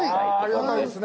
ありがたいですね。